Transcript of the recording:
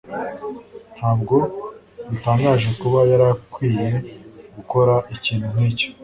Ntabwo bitangaje kuba yari akwiye gukora ikintu nkicyo